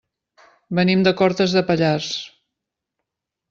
Venim de Cortes de Pallars.